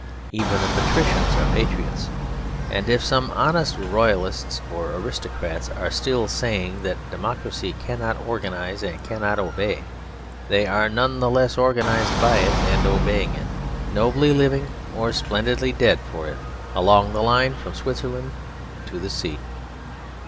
Even the patricians are patriots; and if some honest Royalists or aristocrats are still saying that democracy cannot organise and cannot obey, they are none the less organised by it and obeying it, nobly living or splendidly dead for it, along the line from Switzerland to the sea.